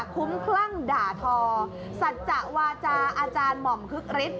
คุ้มคลั่งด่าทอสัจจะวาจาอาจารย์หม่อมฮึกฤทธิ